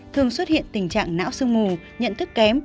thường xuất hiện tình trạng não sương mù nhận thức kém